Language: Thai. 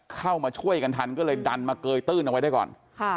เข้ามาช่วยกันทันก็เลยดันมาเกยตื้นเอาไว้ได้ก่อน